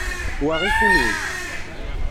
Wa i kenwi.